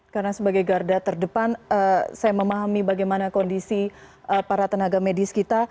karena sebagai garda terdepan saya memahami bagaimana kondisi para tenaga medis kita